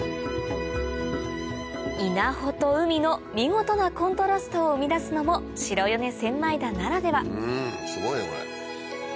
稲穂と海の見事なコントラストを生み出すのも白米千枚田ならではすごいねこれ。